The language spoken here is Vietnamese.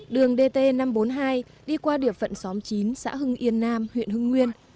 đường dt năm trăm bốn mươi hai đi qua địa phận xóm chín xã hưng yên nam huyện hưng nguyên